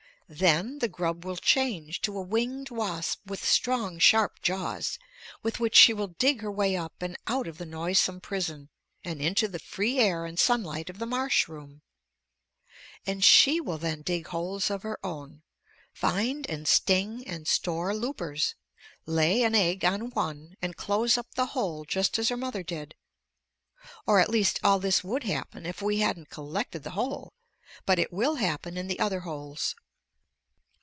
Then the grub will change to a winged wasp with strong sharp jaws with which she will dig her way up and out of the noisome prison and into the free air and sunlight of the marsh room. And she will then dig holes of her own, find and sting and store loopers, lay an egg on one, and close up the hole just as her mother did. Or at least all this would happen if we hadn't collected the hole. But it will happen in the other holes.